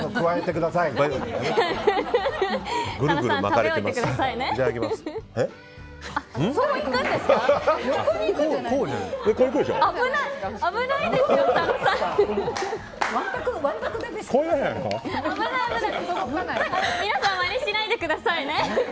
皆さん、まねしないでくださいね。